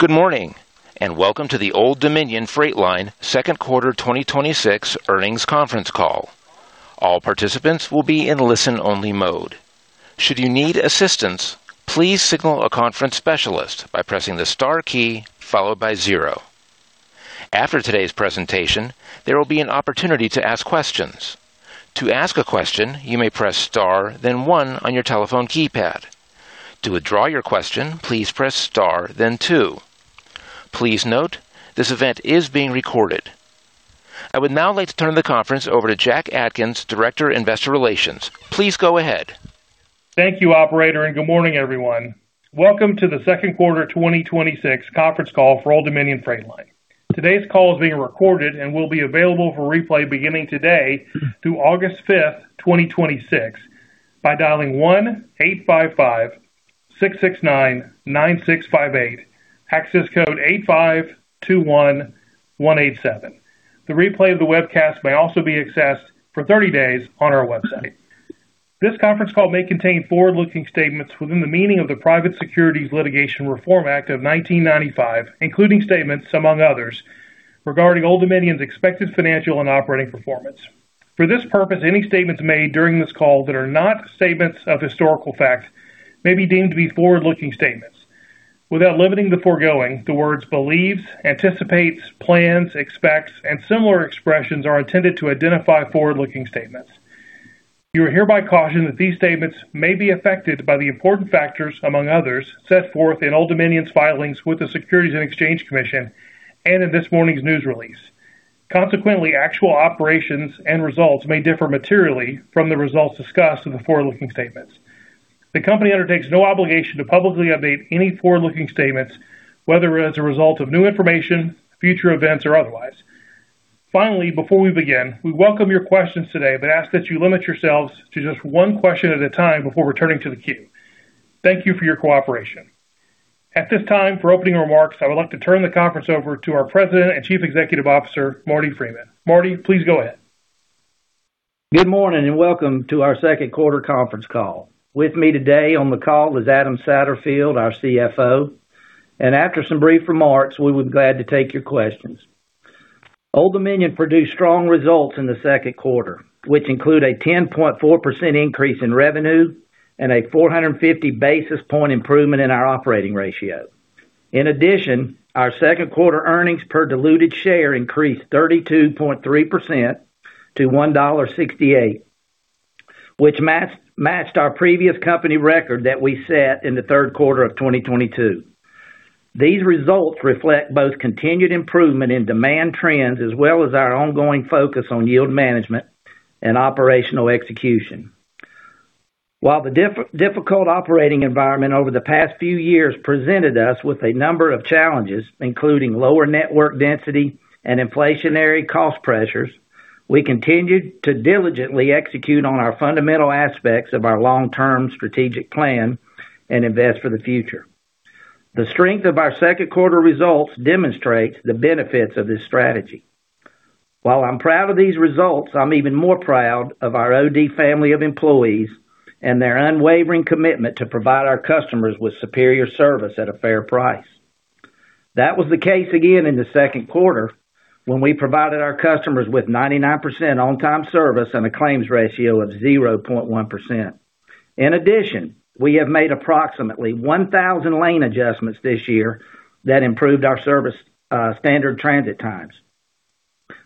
Good morning. Welcome to the Old Dominion Freight Line second quarter 2026 earnings conference call. All participants will be in listen only mode. Should you need assistance, please signal a conference specialist by pressing the star key followed by zero. After today's presentation, there will be an opportunity to ask questions. To ask a question, you may press star then one on your telephone keypad. To withdraw your question, please press star then two. Please note, this event is being recorded. I would now like to turn the conference over to Jack Atkins, Director, Investor Relations. Please go ahead. Thank you operator. Good morning everyone. Welcome to the second quarter 2026 conference call for Old Dominion Freight Line. Today's call is being recorded and will be available for replay beginning today through August 5th, 2026 by dialing 1-855-669-9658, access code 8521187. The replay of the webcast may also be accessed for 30 days on our website. This conference call may contain forward-looking statements within the meaning of the Private Securities Litigation Reform Act of 1995, including statements, among others, regarding Old Dominion's expected financial and operating performance. For this purpose, any statements made during this call that are not statements of historical facts may be deemed to be forward-looking statements. Without limiting the foregoing, the words believes, anticipates, plans, expects, and similar expressions are intended to identify forward-looking statements. You are hereby cautioned that these statements may be affected by the important factors, among others, set forth in Old Dominion's filings with the Securities and Exchange Commission and in this morning's news release. Consequently, actual operations and results may differ materially from the results discussed in the forward-looking statements. The company undertakes no obligation to publicly update any forward-looking statements, whether as a result of new information, future events, or otherwise. Finally, before we begin, we welcome your questions today, but ask that you limit yourselves to just one question at a time before returning to the queue. Thank you for your cooperation. At this time, for opening remarks, I would like to turn the conference over to our President and Chief Executive Officer, Marty Freeman. Marty, please go ahead. Good morning. Welcome to our second quarter conference call. With me today on the call is Adam Satterfield, our CFO, and after some brief remarks, we would be glad to take your questions. Old Dominion produced strong results in the second quarter, which include a 10.4% increase in revenue and a 450 basis point improvement in our operating ratio. In addition, our second quarter earnings per diluted share increased 32.3% to $1.68, which matched our previous company record that we set in the third quarter of 2022. These results reflect both continued improvement in demand trends as well as our ongoing focus on yield management and operational execution. While the difficult operating environment over the past few years presented us with a number of challenges, including lower network density and inflationary cost pressures, we continued to diligently execute on our fundamental aspects of our long-term strategic plan and invest for the future. The strength of our second quarter results demonstrates the benefits of this strategy. While I'm proud of these results, I'm even more proud of our OD family of employees and their unwavering commitment to provide our customers with superior service at a fair price. That was the case again in the second quarter when we provided our customers with 99% on-time service and a claims ratio of 0.1%. In addition, we have made approximately 1,000 lane adjustments this year that improved our service standard transit times.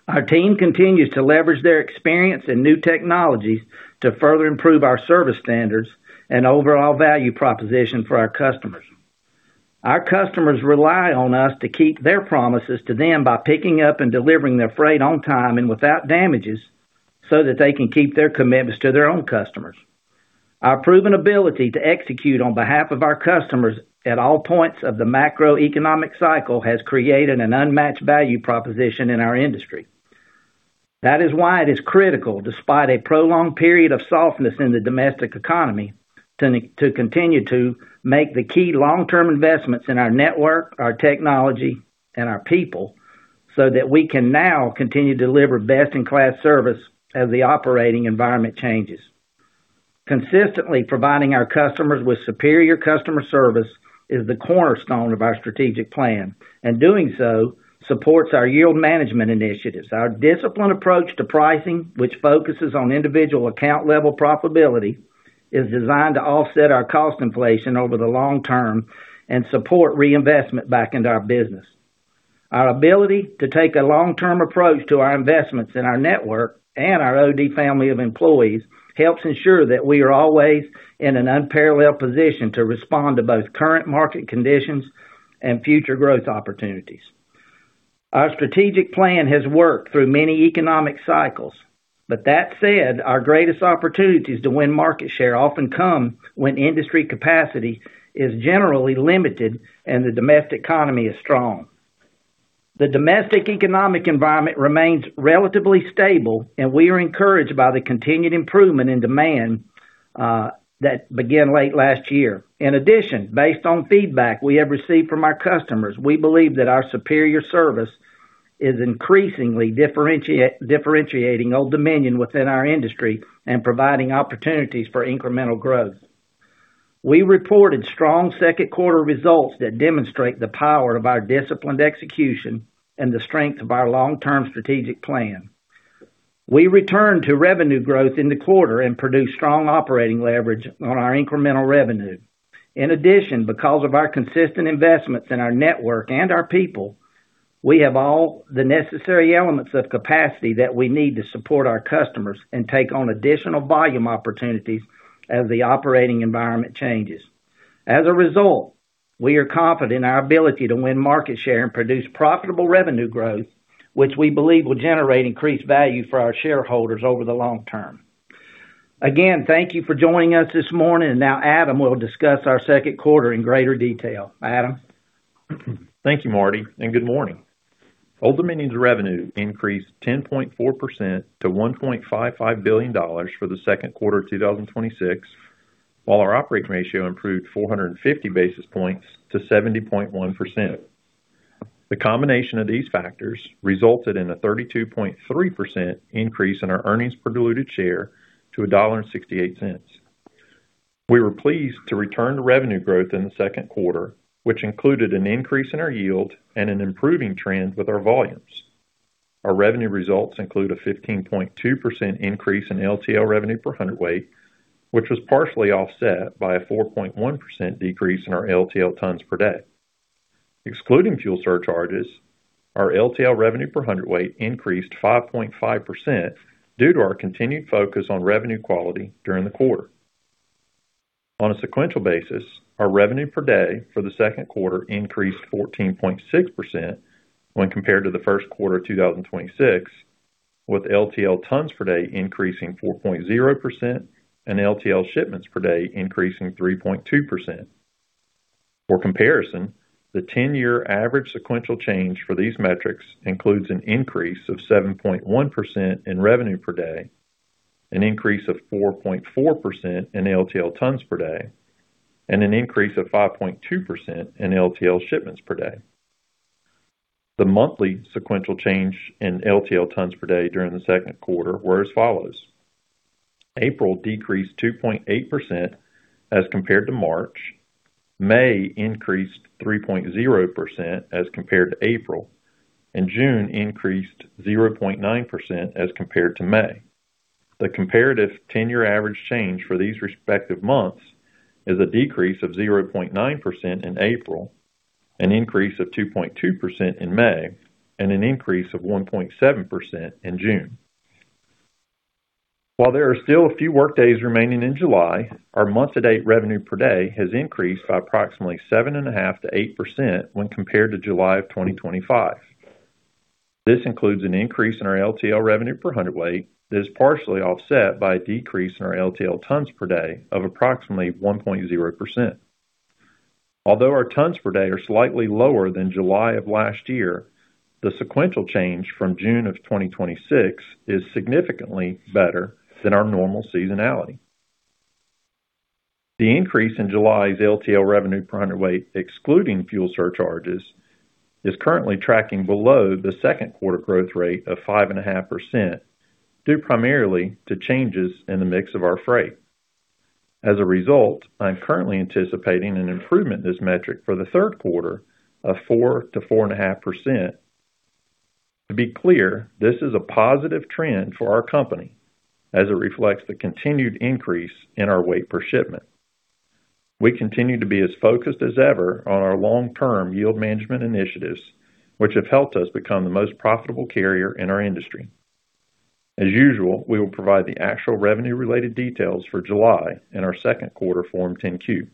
Our team continues to leverage their experience in new technologies to further improve our service standards and overall value proposition for our customers. Our customers rely on us to keep their promises to them by picking up and delivering their freight on time and without damages so that they can keep their commitments to their own customers. Our proven ability to execute on behalf of our customers at all points of the macroeconomic cycle has created an unmatched value proposition in our industry. That is why it is critical, despite a prolonged period of softness in the domestic economy, to continue to make the key long-term investments in our network, our technology, and our people so that we can now continue to deliver best-in-class service as the operating environment changes. Consistently providing our customers with superior customer service is the cornerstone of our strategic plan. Doing so supports our yield management initiatives. Our disciplined approach to pricing, which focuses on individual account level profitability, is designed to offset our cost inflation over the long term and support reinvestment back into our business. Our ability to take a long-term approach to our investments in our network and our OD family of employees helps ensure that we are always in an unparalleled position to respond to both current market conditions and future growth opportunities. Our strategic plan has worked through many economic cycles. With that said, our greatest opportunities to win market share often come when industry capacity is generally limited and the domestic economy is strong. The domestic economic environment remains relatively stable. We are encouraged by the continued improvement in demand that began late last year. In addition, based on feedback we have received from our customers, we believe that our superior service is increasingly differentiating Old Dominion within our industry and providing opportunities for incremental growth. We reported strong second quarter results that demonstrate the power of our disciplined execution and the strength of our long-term strategic plan. We returned to revenue growth in the quarter and produced strong operating leverage on our incremental revenue. Because of our consistent investments in our network and our people, we have all the necessary elements of capacity that we need to support our customers and take on additional volume opportunities as the operating environment changes. As a result, we are confident in our ability to win market share and produce profitable revenue growth, which we believe will generate increased value for our shareholders over the long term. Again, thank you for joining us this morning. Now Adam will discuss our second quarter in greater detail. Adam? Thank you, Marty, and good morning. Old Dominion's revenue increased 10.4% to $1.55 billion for the second quarter of 2026, while our operating ratio improved 450 basis points to 70.1%. The combination of these factors resulted in a 32.3% increase in our earnings per diluted share to $1.68. We were pleased to return to revenue growth in the second quarter, which included an increase in our yield and an improving trend with our volumes. Our revenue results include a 15.2% increase in LTL revenue per hundredweight, which was partially offset by a 4.1% decrease in our LTL tons per day. Excluding fuel surcharges, our LTL revenue per hundredweight increased 5.5% due to our continued focus on revenue quality during the quarter. On a sequential basis, our revenue per day for the second quarter increased 14.6% when compared to the first quarter of 2026. With LTL tons per day increasing 4.0% and LTL shipments per day increasing 3.2%. For comparison, the 10-year average sequential change for these metrics includes an increase of 7.1% in revenue per day, an increase of 4.4% in LTL tons per day, and an increase of 5.2% in LTL shipments per day. The monthly sequential change in LTL tons per day during the second quarter were as follows: April decreased 2.8% as compared to March. May increased 3.0% as compared to April. June increased 0.9% as compared to May. The comparative 10-year average change for these respective months is a decrease of 0.9% in April, an increase of 2.2% in May, an increase of 1.7% in June. While there are still a few workdays remaining in July, our month to date revenue per day has increased by approximately 7.5%-8% when compared to July of 2025. This includes an increase in our LTL revenue per hundredweight that is partially offset by a decrease in our LTL tons per day of approximately 1.0%. Although our tons per day are slightly lower than July of last year, the sequential change from June of 2026 is significantly better than our normal seasonality. The increase in July's LTL revenue per hundredweight, excluding fuel surcharges, is currently tracking below the second quarter growth rate of 5.5% due primarily to changes in the mix of our freight. As a result, I'm currently anticipating an improvement in this metric for the third quarter of 4%-4.5%. To be clear, this is a positive trend for our company as it reflects the continued increase in our weight per shipment. We continue to be as focused as ever on our long-term yield management initiatives, which have helped us become the most profitable carrier in our industry. As usual, we will provide the actual revenue-related details for July in our second quarter Form 10-Q.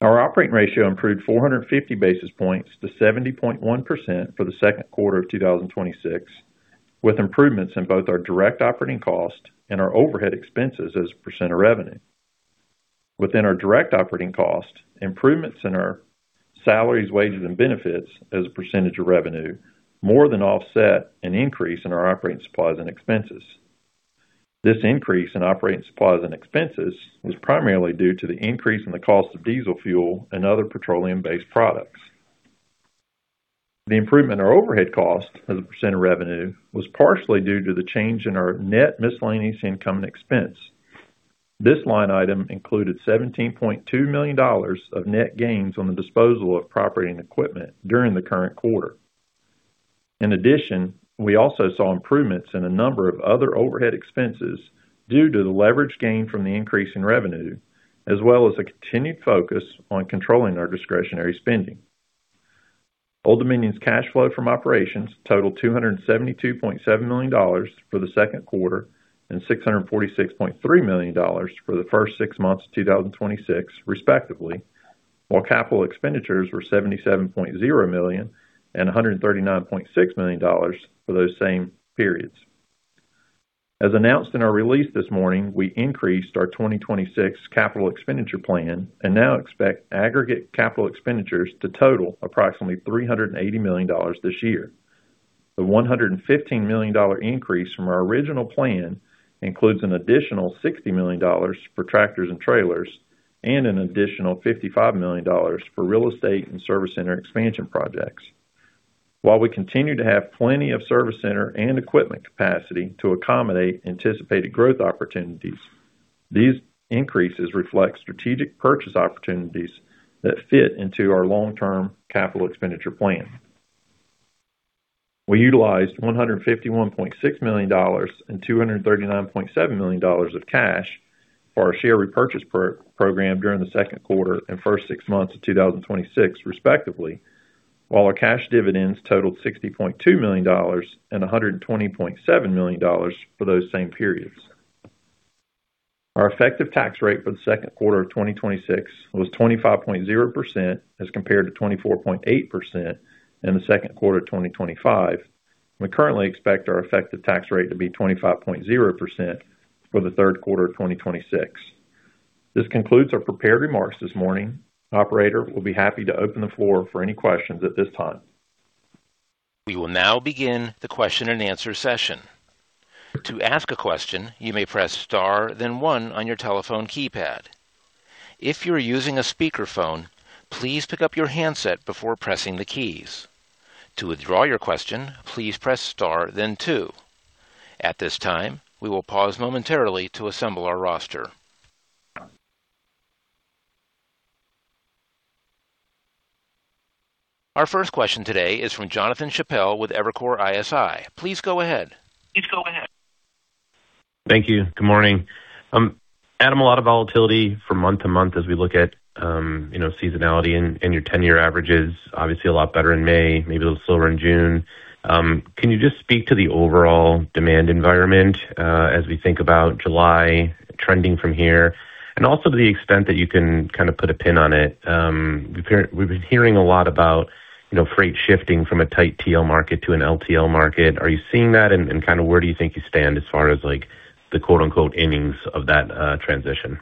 Our operating ratio improved 450 basis points to 70.1% for the second quarter of 2026, with improvements in both our direct operating cost and our overhead expenses as a percent of revenue. Within our direct operating cost, improvements in our salaries, wages, and benefits as a percentage of revenue more than offset an increase in our operating supplies and expenses. This increase in operating supplies and expenses was primarily due to the increase in the cost of diesel fuel and other petroleum-based products. The improvement in our overhead cost as a percent of revenue was partially due to the change in our net miscellaneous income and expense. This line item included $17.2 million of net gains on the disposal of property and equipment during the current quarter. In addition, we also saw improvements in a number of other overhead expenses due to the leverage gained from the increase in revenue, as well as a continued focus on controlling our discretionary spending. Old Dominion's cash flow from operations totaled $272.7 million for the second quarter and $646.3 million for the first six months of 2026, respectively, while capital expenditures were $77.0 million and $139.6 million for those same periods. As announced in our release this morning, we increased our 2026 capital expenditure plan and now expect aggregate capital expenditures to total approximately $380 million this year. The $115 million increase from our original plan includes an additional $60 million for tractors and trailers and an additional $55 million for real estate and service center expansion projects. While we continue to have plenty of service center and equipment capacity to accommodate anticipated growth opportunities, these increases reflect strategic purchase opportunities that fit into our long-term capital expenditure plan. We utilized $151.6 million and $239.7 million of cash for our share repurchase program during the second quarter and first six months of 2026, respectively, while our cash dividends totaled $60.2 million and $120.7 million for those same periods. Our effective tax rate for the second quarter of 2026 was 25.0% as compared to 24.8% in the second quarter of 2025. We currently expect our effective tax rate to be 25.0% for the third quarter of 2026. This concludes our prepared remarks this morning. Operator, we'll be happy to open the floor for any questions at this time. We will now begin the question and answer session. To ask a question, you may press star then one on your telephone keypad. If you're using a speakerphone, please pick up your handset before pressing the keys. To withdraw your question, please press star then two. At this time, we will pause momentarily to assemble our roster. Our first question today is from Jonathan Chappell with Evercore ISI. Please go ahead. Thank you. Good morning. Adam, a lot of volatility from month to month as we look at seasonality and your 10-year average is obviously a lot better in May, maybe a little slower in June. Can you just speak to the overall demand environment as we think about July trending from here? Also, to the extent that you can put a pin on it, we've been hearing a lot about freight shifting from a tight TL market to an LTL market. Are you seeing that and where do you think you stand as far as the quote unquote "innings" of that transition?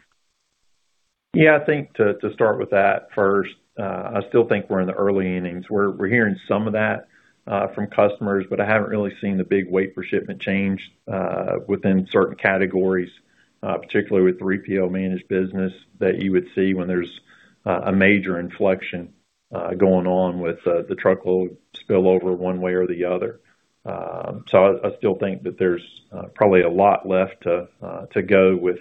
I think to start with that first, I still think we're in the early innings. We're hearing some of that from customers, but I haven't really seen the big weight per shipment change within certain categories, particularly with the 3PL-managed business that you would see when there's a major inflection going on with the truckload spillover one way or the other. I still think that there's probably a lot left to go with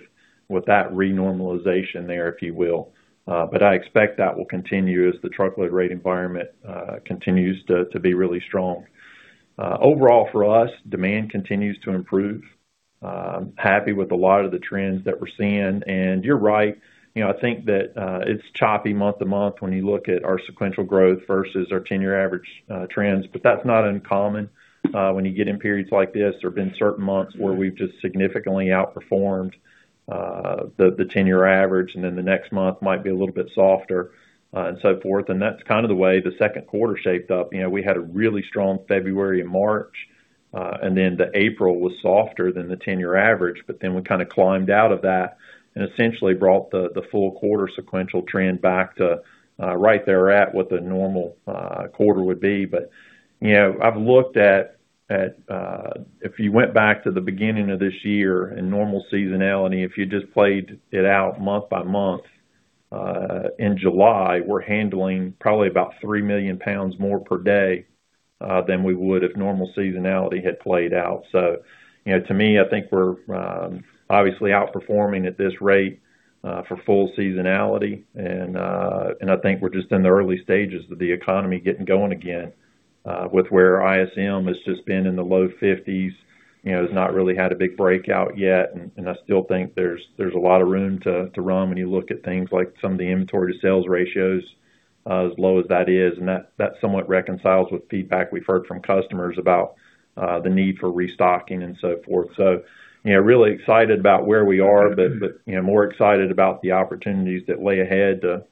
that renormalization there, if you will. I expect that will continue as the truckload rate environment continues to be really strong. Overall for us, demand continues to improve. I'm happy with a lot of the trends that we're seeing. You're right, I think that it's choppy month to month when you look at our sequential growth versus our 10-year average trends. That's not uncommon when you get in periods like this. There have been certain months where we've just significantly outperformed the 10-year average, then the next month might be a little bit softer and so forth. That's kind of the way the second quarter shaped up. We had a really strong February and March, then the April was softer than the 10-year average, then we climbed out of that and essentially brought the full quarter sequential trend back to right there at what the normal quarter would be, but I've looked at if you went back to the beginning of this year in normal seasonality, if you just played it out month by month, in July, we're handling probably about 3 million pounds more per day than we would if normal seasonality had played out. To me, I think we're obviously outperforming at this rate for full seasonality, I think we're just in the early stages of the economy getting going again with where ISM has just been in the low 50s, has not really had a big breakout yet. I still think there's a lot of room to run when you look at things like some of the inventory to sales ratio as low as that is, and that somewhat reconciles with feedback we've heard from customers about the need for restocking and so forth. Really excited about where we are, but more excited about the opportunities that lay ahead to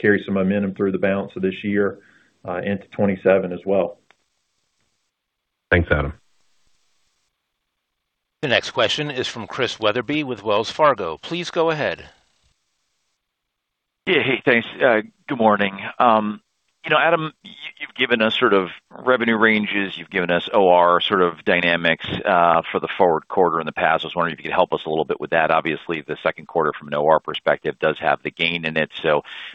carry some momentum through the balance of this year into 2027 as well. Thanks, Adam. The next question is from Chris Wetherbee with Wells Fargo. Please go ahead. Yeah. Hey, thanks. Good morning. Adam, you've given us sort of revenue ranges. You've given us OR sort of dynamics for the forward quarter in the past. I was wondering if you could help us a little bit with that. Obviously, the second quarter from an OR perspective does have the gain in it.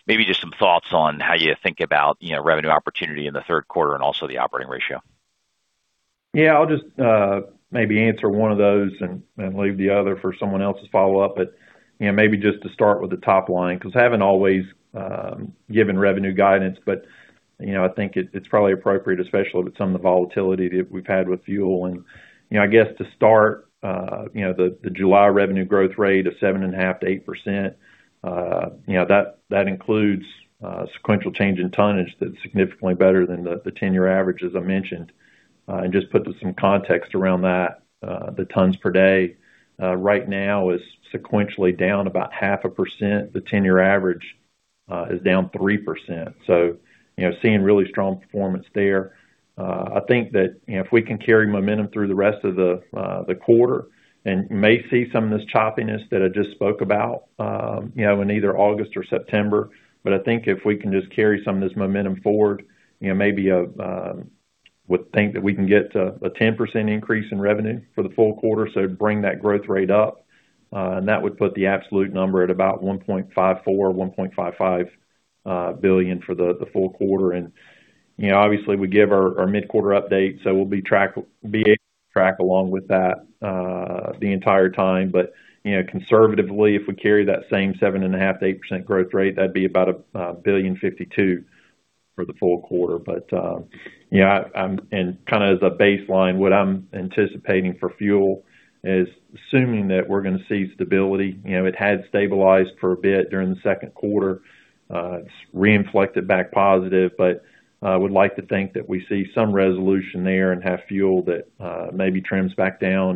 Maybe just some thoughts on how you think about revenue opportunity in the third quarter and also the operating ratio. Yeah, I'll just maybe answer one of those and leave the other for someone else's follow-up. Maybe just to start with the top line, because I haven't always given revenue guidance, but I think it's probably appropriate, especially with some of the volatility that we've had with fuel. I guess to start, the July revenue growth rate of 7.5%-8%, that includes sequential change in tonnage that's significantly better than the 10-year average, as I mentioned. Just put some context around that, the tons per day right now is sequentially down about 0.5%. The 10-year average is down 3%. Seeing really strong performance there. I think that if we can carry momentum through the rest of the quarter and may see some of this choppiness that I just spoke about in either August or September. I think if we can just carry some of this momentum forward, I would think that we can get a 10% increase in revenue for the full quarter, so bring that growth rate up. That would put the absolute number at about $1.54 billion or $1.55 billion for the full quarter. Obviously, we give our mid-quarter update, so we'll be able to track along with that the entire time. Conservatively, if we carry that same 7.5%-8% growth rate, that'd be about $1.52 billion for the full quarter. Yeah. As a baseline, what I'm anticipating for fuel is assuming that we're going to see stability. It had stabilized for a bit during the second quarter. It's re-inflected back positive, but I would like to think that we see some resolution there and have fuel that maybe trims back down.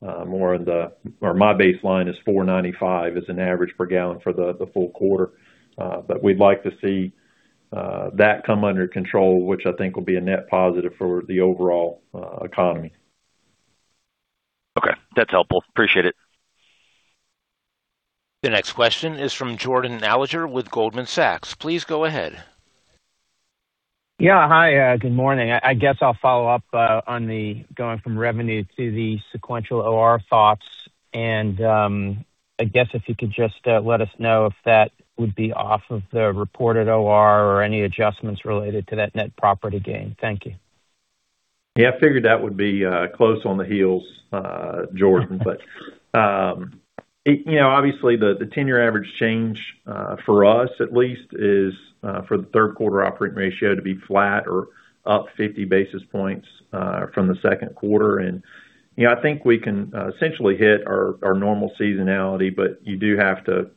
My baseline is $4.95 as an average per gallon for the full quarter. We'd like to see that come under control, which I think will be a net positive for the overall economy. Okay. That's helpful. Appreciate it. The next question is from Jordan Alliger with Goldman Sachs. Please go ahead. Yeah. Hi, good morning. I guess I'll follow up on the going from revenue to the sequential OR thoughts. I guess if you could just let us know if that would be off of the reported OR or any adjustments related to that net property gain. Thank you. Yeah, I figured that would be close on the heels, Jordan. Obviously, the 10-year average change for us at least, is for the third quarter operating ratio to be flat or up 50 basis points from the second quarter. I think we can essentially hit our normal seasonality, but you do have to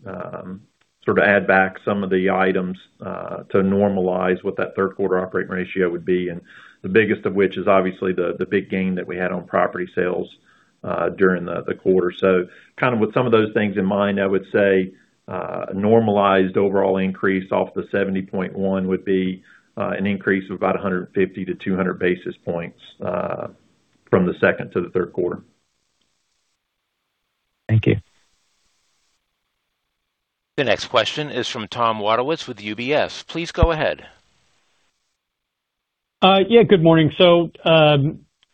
add back some of the items to normalize what that third quarter operating ratio would be, and the biggest of which is obviously the big gain that we had on property sales during the quarter. With some of those things in mind, I would say a normalized overall increase off the 70.1% would be an increase of about 150-200 basis points from the second to the third quarter. Thank you. The next question is from Tom Wadewitz with UBS. Please go ahead. Yeah, good morning.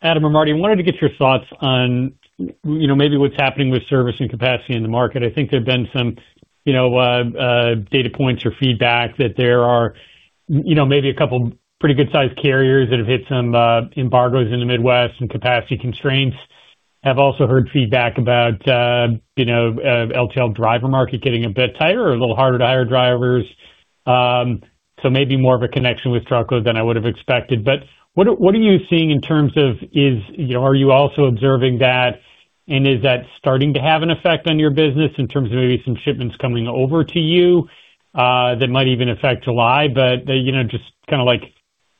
Adam and Marty, I wanted to get your thoughts on maybe what's happening with service and capacity in the market. I think there have been some data points or feedback that there are maybe a couple pretty good sized carriers that have hit some embargoes in the Midwest and capacity constraints. Have also heard feedback about LTL driver market getting a bit tighter or a little harder to hire drivers. Maybe more of a connection with truckload than I would have expected. What are you seeing in terms of are you also observing that, and is that starting to have an effect on your business in terms of maybe some shipments coming over to you that might even affect July? Just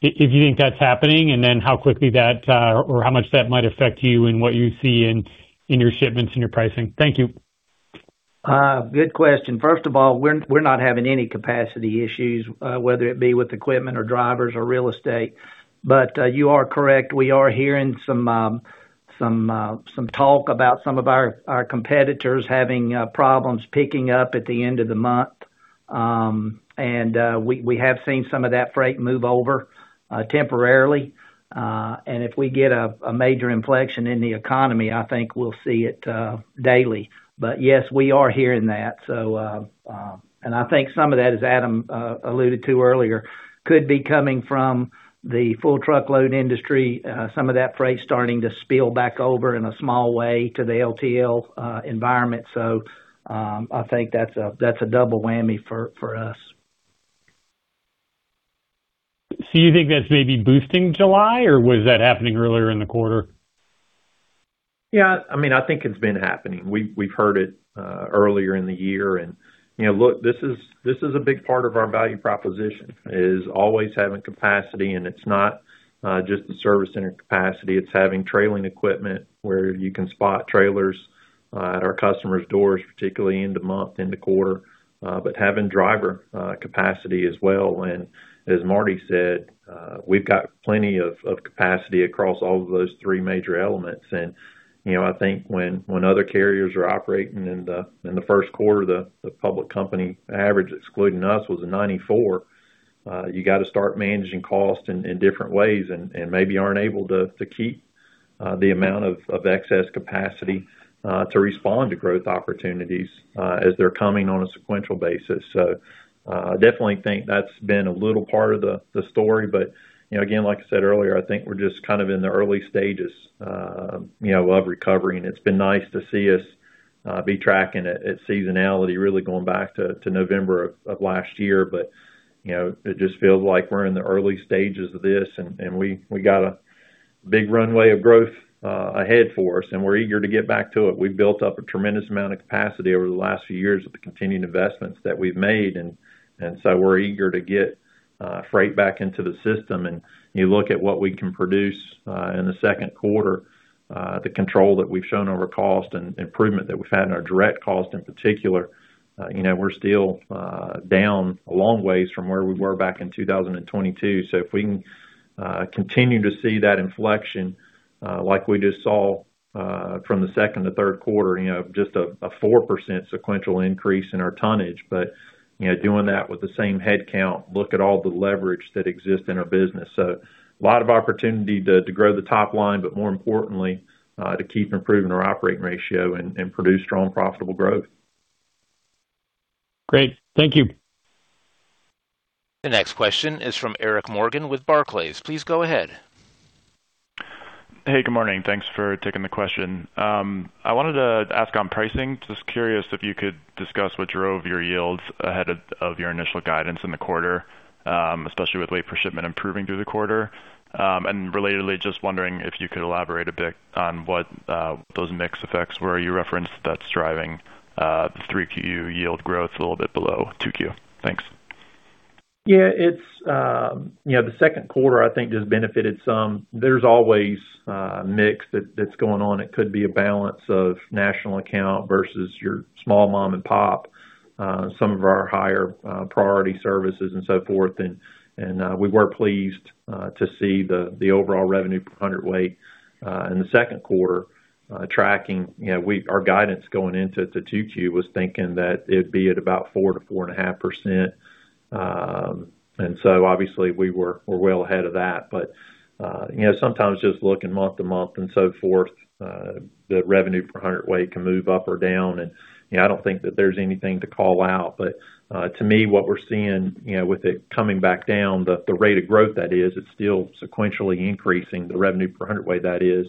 if you think that's happening, and how quickly that or how much that might affect you and what you see in your shipments and your pricing. Thank you. Good question. First of all, we're not having any capacity issues, whether it be with equipment or drivers or real estate. You are correct, we are hearing some talk about some of our competitors having problems picking up at the end of the month. We have seen some of that freight move over temporarily. If we get a major inflection in the economy, I think we'll see it daily. Yes, we are hearing that. I think some of that, as Adam alluded to earlier, could be coming from the full truckload industry. Some of that freight starting to spill back over in a small way to the LTL environment. I think that's a double whammy for us. You think that's maybe boosting July, or was that happening earlier in the quarter? Yeah. I think it's been happening. We've heard it earlier in the year and look, this is a big part of our value proposition, is always having capacity and it's not just the service center capacity, it's having trailing equipment where you can spot trailers at our customer's doors, particularly end of month, end of quarter. Having driver capacity as well. As Marty said, we've got plenty of capacity across all of those three major elements. I think when other carriers are operating in the first quarter, the public company average, excluding us, was a 94. You got to start managing cost in different ways and maybe aren't able to keep the amount of excess capacity to respond to growth opportunities as they're coming on a sequential basis. I definitely think that's been a little part of the story. Again, like I said earlier, I think we're just in the early stages of recovery, and it's been nice to see us be tracking it at seasonality really going back to November of last year. It just feels like we're in the early stages of this, and we got a big runway of growth ahead for us, and we're eager to get back to it. We've built up a tremendous amount of capacity over the last few years with the continued investments that we've made, we're eager to get freight back into the system. You look at what we can produce in the second quarter, the control that we've shown over cost and improvement that we've had in our direct cost in particular. We're still down a long ways from where we were back in 2022. If we can continue to see that inflection like we just saw from the second to third quarter, just a 4% sequential increase in our tonnage. Doing that with the same headcount, look at all the leverage that exists in our business. A lot of opportunity to grow the top line, but more importantly, to keep improving our operating ratio and produce strong profitable growth. Great. Thank you. The next question is from Eric Morgan with Barclays. Please go ahead. Hey, good morning. Thanks for taking the question. I wanted to ask on pricing, just curious if you could discuss what drove your yields ahead of your initial guidance in the quarter, especially with weight per shipment improving through the quarter. Relatedly, just wondering if you could elaborate a bit on what those mix effects were you referenced that's driving the 3Q yield growth a little bit below 2Q. Thanks. Yeah. The second quarter, I think, just benefited some. There's always a mix that's going on. It could be a balance of national account versus your small mom and pup. Some of our higher priority services and so forth. We were pleased to see the overall revenue per hundredweight in the second quarter tracking. Our guidance going into the 2Q was thinking that it'd be at about 4%-4.5%. So obviously we're well ahead of that. Sometimes just looking month to month and so forth, the revenue per hundredweight can move up or down, and I don't think that there's anything to call out. To me, what we're seeing with it coming back down, the rate of growth that is, it's still sequentially increasing the revenue per hundredweight, that is.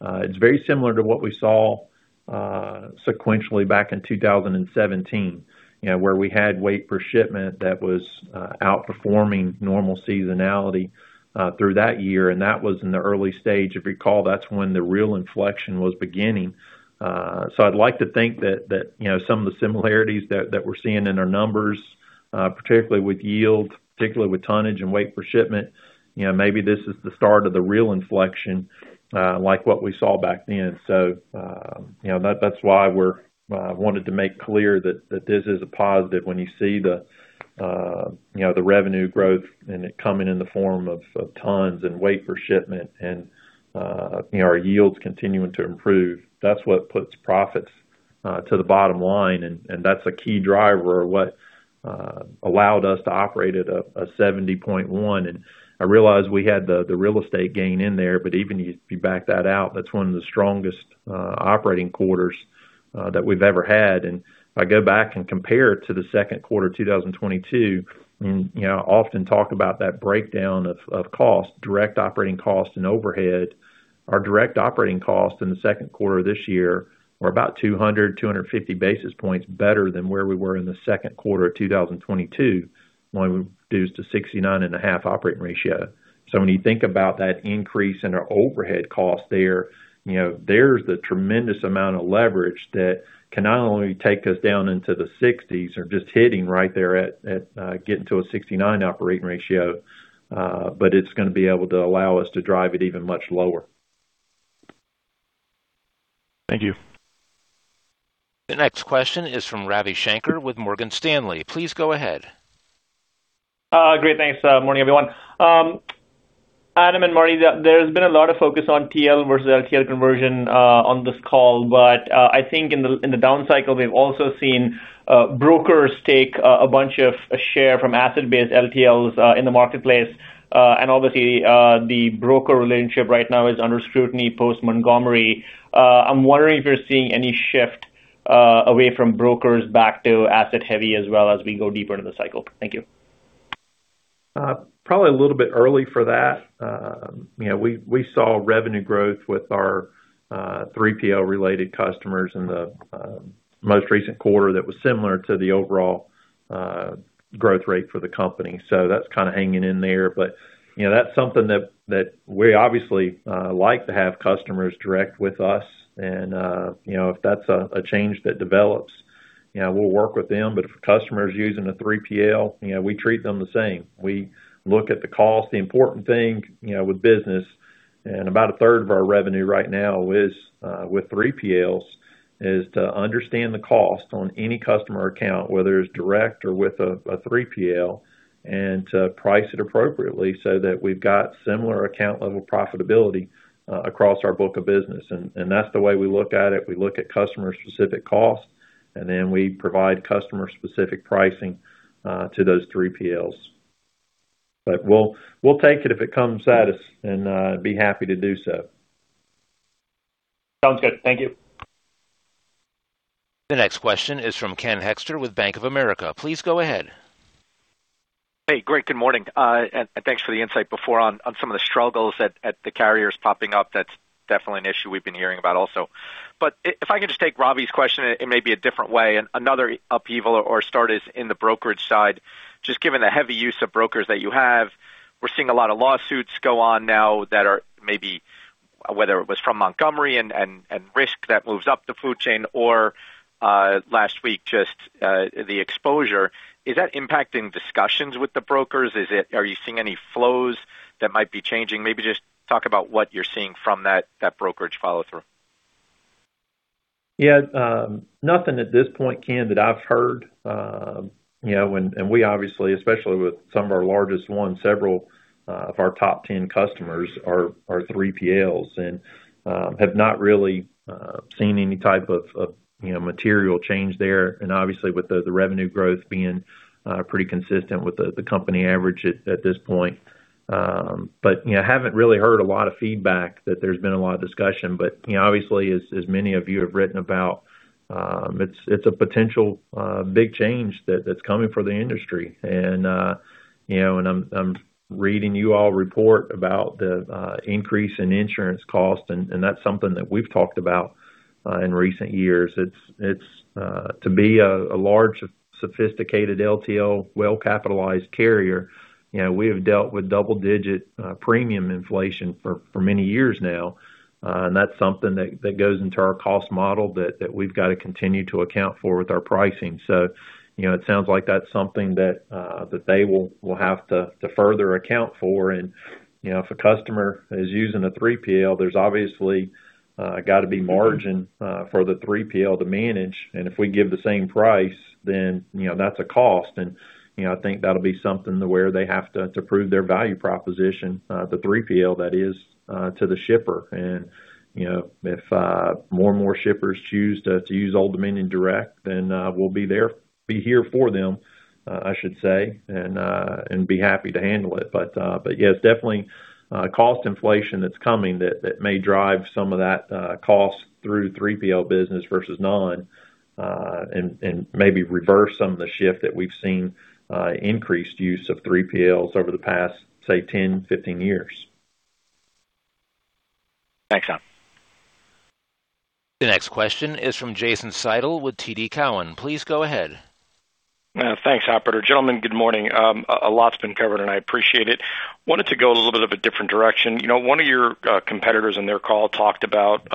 It's very similar to what we saw sequentially back in 2017, where we had weight per shipment that was outperforming normal seasonality through that year, and that was in the early stage. If you recall, that's when the real inflection was beginning. I'd like to think that some of the similarities that we're seeing in our numbers, particularly with yield, particularly with tonnage and weight per shipment, maybe this is the start of the real inflection like what we saw back then. That's why I wanted to make clear that this is a positive when you see the revenue growth and it coming in the form of tons and weight per shipment and our yields continuing to improve. That's what puts profits to the bottom line, and that's a key driver of what allowed us to operate at a 70.1%. I realize we had the real estate gain in there, but even if you back that out, that's one of the strongest operating quarters that we've ever had. If I go back and compare to the second quarter 2022, and I often talk about that breakdown of cost, direct operating cost and overhead. Our direct operating cost in the second quarter of this year were about 200, 250 basis points better than where we were in the second quarter of 2022, when we reduced to 69.5% operating ratio. When you think about that increase in our overhead cost there's the tremendous amount of leverage that can not only take us down into the 60s or just hitting right there at getting to a 69% operating ratio, but it's going to be able to allow us to drive it even much lower. Thank you. The next question is from Ravi Shanker with Morgan Stanley. Please go ahead. Great. Thanks. Morning, everyone. Adam and Marty, there's been a lot of focus on TL versus LTL conversion on this call. I think in the down cycle, we've also seen brokers take a bunch of share from asset-based LTLs in the marketplace. Obviously, the broker relationship right now is under scrutiny post Montgomery. I'm wondering if you're seeing any shift away from brokers back to asset heavy as well as we go deeper into the cycle. Thank you. Probably a little bit early for that. We saw revenue growth with our 3PL related customers in the most recent quarter that was similar to the overall growth rate for the company. That's hanging in there. That's something that we obviously like to have customers direct with us. If that's a change that develops, we'll work with them. If a customer is using a 3PL, we treat them the same. We look at the cost. The important thing with business, and about 1/3 of our revenue right now is with 3PLs, is to understand the cost on any customer account, whether it's direct or with a 3PL, and to price it appropriately so that we've got similar account level profitability across our book of business. That's the way we look at it. We look at customer specific cost. Then we provide customer specific pricing to those 3PLs. We'll take it if it comes at us and be happy to do so. Sounds good. Thank you. The next question is from Ken Hoexter with Bank of America. Please go ahead. Hey, great. Good morning. Thanks for the insight before on some of the struggles at the carriers popping up. That's definitely an issue we've been hearing about also. If I can just take Ravi's question in maybe a different way, another upheaval or start is in the brokerage side, just given the heavy use of brokers that you have, we're seeing a lot of lawsuits go on now that are maybe whether it was from Montgomery and risk that moves up the food chain or last week, just the exposure. Is that impacting discussions with the brokers? Are you seeing any flows that might be changing? Maybe just talk about what you're seeing from that brokerage follow through. Yeah. Nothing at this point, Ken, that I've heard. We obviously, especially with some of our largest ones, several of our top 10 customers are 3PLs and have not really seen any type of material change there. Obviously, with the revenue growth being pretty consistent with the company average at this point. I haven't really heard a lot of feedback that there's been a lot of discussion. Obviously, as many of you have written about, it's a potential big change that's coming for the industry. I'm reading you all report about the increase in insurance costs, and that's something that we've talked about in recent years. To be a large, sophisticated LTL, well-capitalized carrier, we have dealt with double-digit premium inflation for many years now. That's something that goes into our cost model that we've got to continue to account for with our pricing. It sounds like that's something that they will have to further account for. If a customer is using a 3PL, there's obviously got to be margin for the 3PL to manage. If we give the same price, then that's a cost. I think that'll be something to where they have to prove their value proposition, the 3PL that is, to the shipper. If more and more shippers choose to use Old Dominion direct, then we'll be here for them, I should say, and be happy to handle it. Yeah, it's definitely cost inflation that's coming that may drive some of that cost through 3PL business versus none, and maybe reverse some of the shift that we've seen increased use of 3PLs over the past, say, 10, 15 years. Thanks, Adam. The next question is from Jason Seidl with TD Cowen. Please go ahead. Thanks, operator. Gentlemen, good morning. A lot's been covered, and I appreciate it. Wanted to go a little bit of a different direction. One of your competitors on their call talked about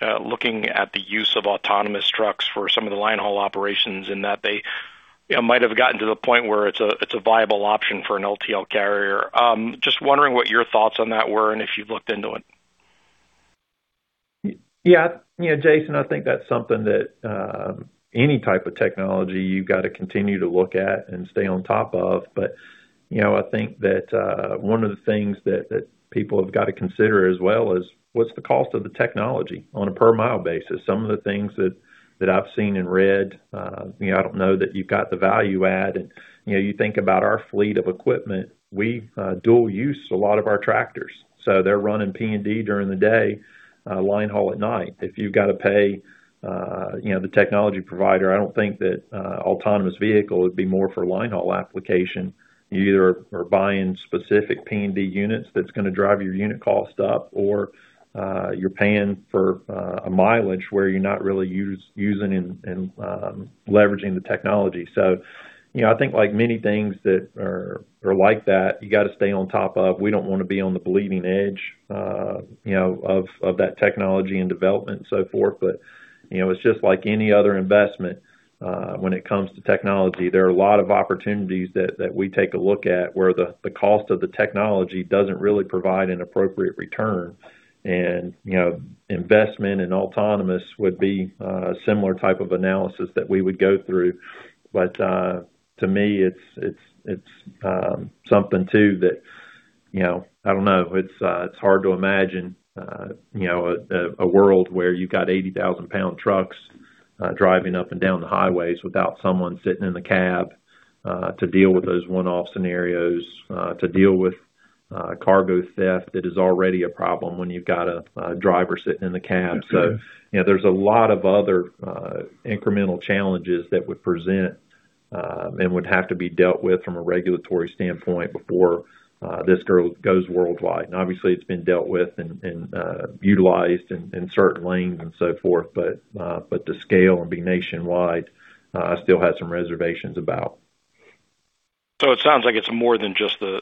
looking at the use of autonomous trucks for some of the line haul operations, and that they might have gotten to the point where it's a viable option for an LTL carrier. Just wondering what your thoughts on that were and if you've looked into it. Yeah. Jason, I think that's something that any type of technology you got to continue to look at and stay on top of. I think that one of the things that people have got to consider as well is what's the cost of the technology on a per mile basis? Some of the things that I've seen and read, I don't know that you've got the value add. You think about our fleet of equipment, we dual use a lot of our tractors, so they're running P&D during the day, line haul at night. If you've got to pay the technology provider, I don't think that autonomous vehicle would be more for line haul application. You either are buying specific P&D units that's going to drive your unit cost up, or you're paying for a mileage where you're not really using and leveraging the technology. I think like many things that are like that, you got to stay on top of. We don't want to be on the bleeding edge of that technology and development and so forth. It's just like any other investment when it comes to technology. There are a lot of opportunities that we take a look at where the cost of the technology doesn't really provide an appropriate return. Investment in autonomous would be a similar type of analysis that we would go through. To me, it's something, too, that I don't know. It's hard to imagine a world where you got 80,000 lbs trucks driving up and down the highways without someone sitting in the cab to deal with those one-off scenarios, to deal with cargo theft. That is already a problem when you've got a driver sitting in the cab. There's a lot of other incremental challenges that would present and would have to be dealt with from a regulatory standpoint before this goes worldwide. Obviously, it's been dealt with and utilized in certain lanes and so forth. The scale and be nationwide, I still have some reservations about. It sounds like it's more than just the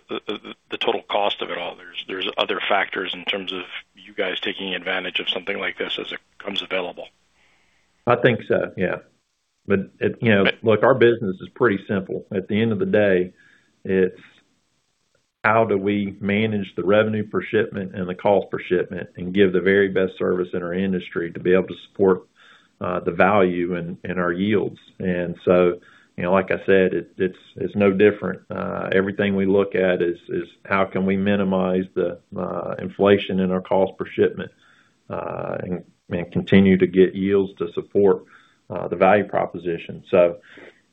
total cost of it all. There's other factors in terms of you guys taking advantage of something like this as it comes available. I think so, yeah. Look, our business is pretty simple. At the end of the day, it's how do we manage the revenue per shipment and the cost per shipment and give the very best service in our industry to be able to support the value and our yields. Like I said, it's no different. Everything we look at is how can we minimize the inflation in our cost per shipment and continue to get yields to support the value proposition.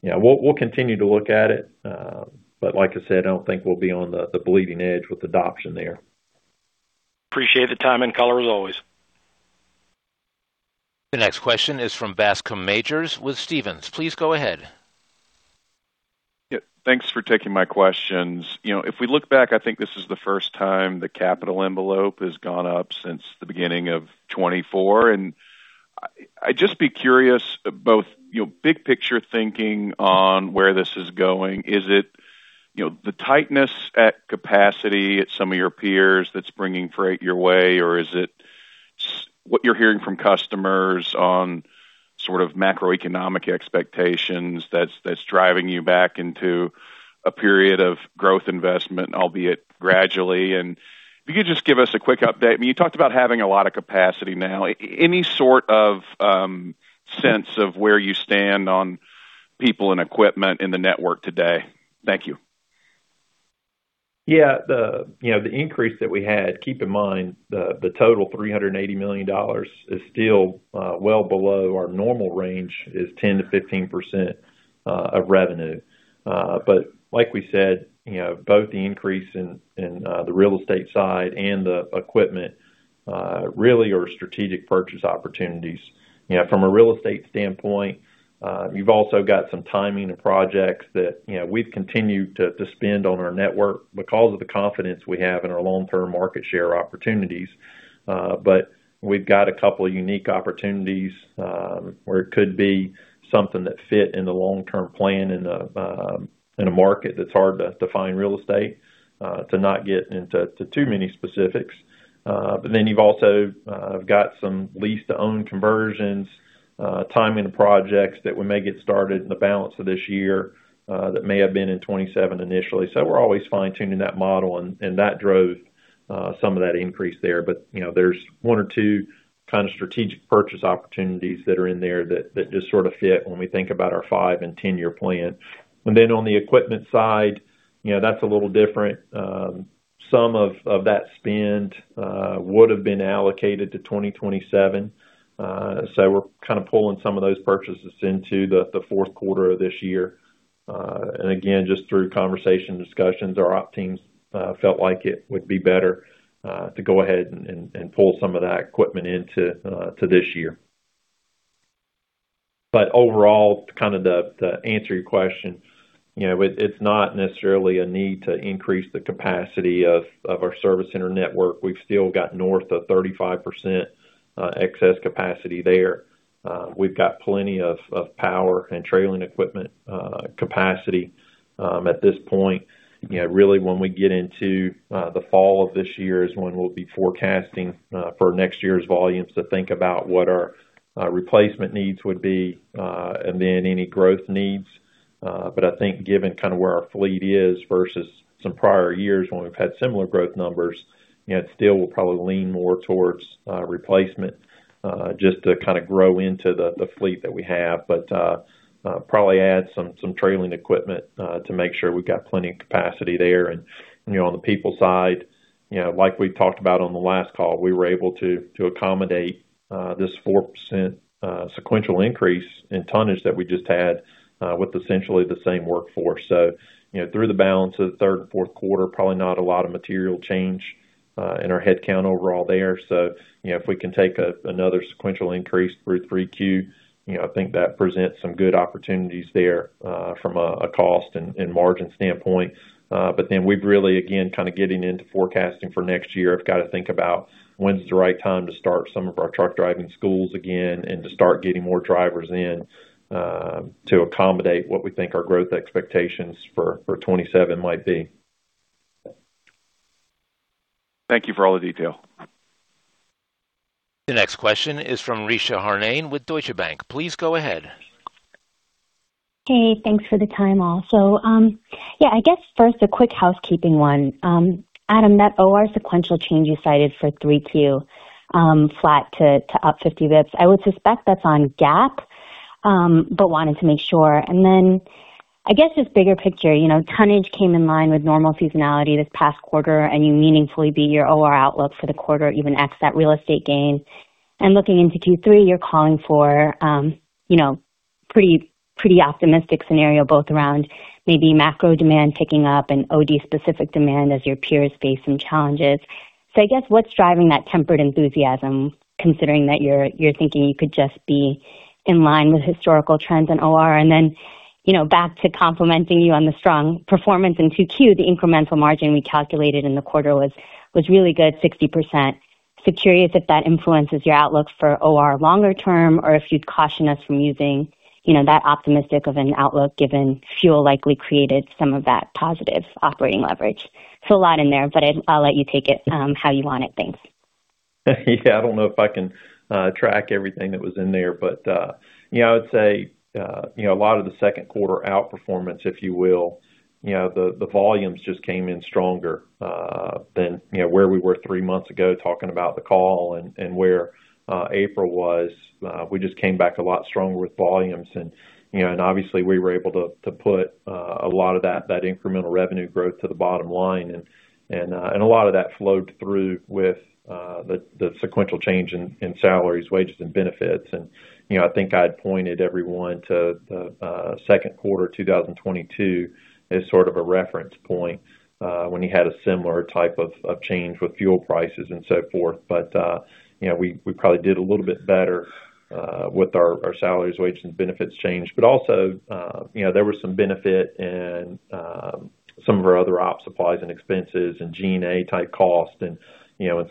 We'll continue to look at it. Like I said, I don't think we'll be on the bleeding edge with adoption there. Appreciate the time and color as always. The next question is from Bascome Majors with Stephens. Please go ahead. Yeah. Thanks for taking my questions. If we look back, I think this is the first time the capital envelope has gone up since the beginning of 2024. I'd just be curious both big picture thinking on where this is going. Is it the tightness at capacity at some of your peers that's bringing freight your way, or is it what you're hearing from customers on sort of macroeconomic expectations that's driving you back into a period of growth investment, albeit gradually, and if you could just give us a quick update. I mean, you talked about having a lot of capacity now. Any sort of sense of where you stand on people and equipment in the network today? Thank you. Yeah. The increase that we had, keep in mind, the total $380 million is still well below our normal range, is 10%-15% of revenue. Like we said, both the increase in the real estate side and the equipment really are strategic purchase opportunities. From a real estate standpoint, you've also got some timing of projects that we've continued to spend on our network because of the confidence we have in our long-term market share opportunities. We've got a couple of unique opportunities where it could be something that fit in the long-term plan in a market that's hard to find real estate, to not get into too many specifics. You've also got some lease-to-own conversions, timing of projects that we may get started in the balance of this year that may have been in 2027 initially. We're always fine-tuning that model, that drove some of that increase there. There's one or two strategic purchase opportunities that are in there that just sort of fit when we think about our five and 10-year plan. On the equipment side, that's a little different. Some of that spend would have been allocated to 2027. We're kind of pulling some of those purchases into the fourth quarter of this year. Again, just through conversation discussions, our op teams felt like it would be better to go ahead and pull some of that equipment into this year. Overall, to answer your question, it's not necessarily a need to increase the capacity of our service center network. We've still got north of 35% excess capacity there. We've got plenty of power and trailing equipment capacity at this point. Really when we get into the fall of this year is when we'll be forecasting for next year's volumes to think about what our replacement needs would be, any growth needs. I think given where our fleet is versus some prior years when we've had similar growth numbers, still we'll probably lean more towards replacement just to grow into the fleet that we have. Probably add some trailing equipment to make sure we've got plenty of capacity there. On the people side, like we talked about on the last call, we were able to accommodate this 4% sequential increase in tonnage that we just had with essentially the same workforce. Through the balance of the third and fourth quarter, probably not a lot of material change in our headcount overall there. If we can take another sequential increase through 3Q, I think that presents some good opportunities there from a cost and margin standpoint. We've really, again, kind of getting into forecasting for next year, have got to think about when's the right time to start some of our truck driving schools again and to start getting more drivers in to accommodate what we think our growth expectations for 2027 might be. Thank you for all the detail. The next question is from Richa Harnain with Deutsche Bank. Please go ahead. Hey, thanks for the time also. I guess first a quick housekeeping one. Adam, that OR sequential change you cited for 3Q, flat to up 50 basis points. I would suspect that's on GAAP, but wanted to make sure. I guess just bigger picture, tonnage came in line with normal seasonality this past quarter, and you meaningfully beat your OR outlook for the quarter, even ex that real estate gain. Looking into Q3, you're calling for pretty optimistic scenario, both around maybe macro demand picking up and OD specific demand as your peers face some challenges. I guess what's driving that tempered enthusiasm considering that you're thinking you could just be in line with historical trends in OR? Back to complimenting you on the strong performance in 2Q, the incremental margin we calculated in the quarter was really good, 60%. Curious if that influences your outlook for OR longer term or if you'd caution us from using that optimistic of an outlook given fuel likely created some of that positive operating leverage. A lot in there, but I'll let you take it how you want it. Thanks. I don't know if I can track everything that was in there, but I would say a lot of the second quarter outperformance, if you will, the volumes just came in stronger than where we were three months ago talking about the call and where April was. We just came back a lot stronger with volumes and obviously we were able to put a lot of that incremental revenue growth to the bottom line and a lot of that flowed through with the sequential change in salaries, wages and benefits. I think I'd pointed everyone to the second quarter 2022 as sort of a reference point when you had a similar type of change with fuel prices and so forth. We probably did a little bit better with our salaries, wages and benefits change. Also, there was some benefit in some of our other op supplies and expenses and G&A type costs.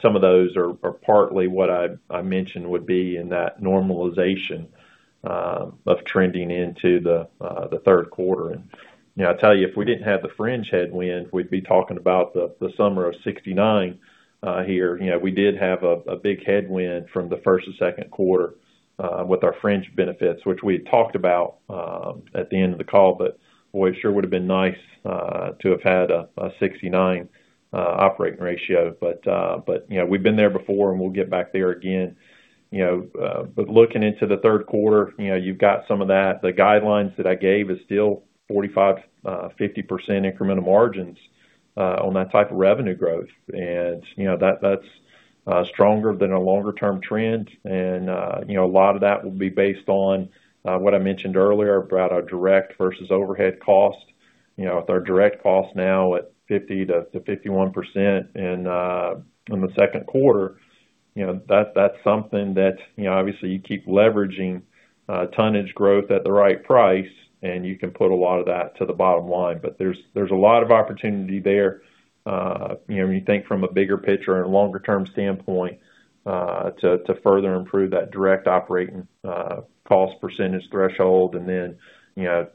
Some of those are partly what I mentioned would be in that normalization of trending into the third quarter. I tell you, if we didn't have the fringe headwind, we'd be talking about the summer of 69% here. We did have a big headwind from the first and second quarter with our fringe benefits, which we had talked about at the end of the call, but boy, it sure would've been nice to have had a 69% operating ratio. We've been there before and we'll get back there again. Looking into the third quarter, you've got some of that. The guidelines that I gave is still 45%-50% incremental margins on that type of revenue growth. That's stronger than a longer term trend. A lot of that will be based on what I mentioned earlier about our direct versus overhead cost. With our direct cost now at 50%-51% in the second quarter, that's something that, obviously you keep leveraging tonnage growth at the right price and you can put a lot of that to the bottom line. There's a lot of opportunity there when you think from a bigger picture and a longer term standpoint to further improve that direct operating cost percentage threshold.